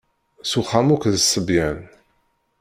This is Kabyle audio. S uxxam akk d ṣṣebyan.